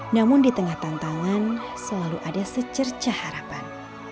namun di tengah tantangan selalu ada secerca harapan